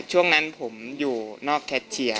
ช่วงนั้นผมอยู่นอกแคทเชียร์